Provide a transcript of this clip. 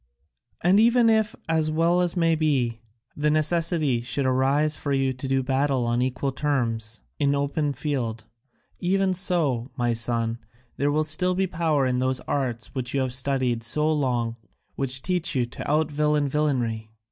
And even if, as well may be, the necessity should arise for you to do battle on equal terms in open field, even so, my son, there will still be power in those arts which you have studied so long and which teach you to out villain villainy.